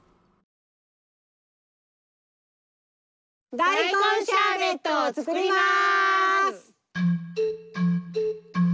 大根シャーベットを作ります。